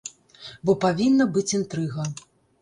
Бо павінна быць інтрыга.